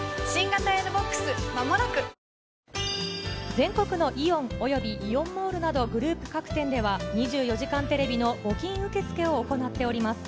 全国のイオンおよびイオンモールなどグループ各店では、２４時間テレビの募金受け付けを行っております。